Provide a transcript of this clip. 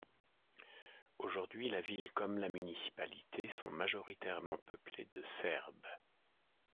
Aujourd'hui, la ville comme la municipalité sont majoritairement peuplées de Serbes.